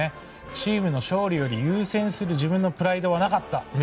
チームの勝利より優先する自分のプライドはなかった。